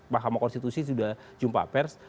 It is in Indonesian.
mahkamah konstitusi sudah jumpa pers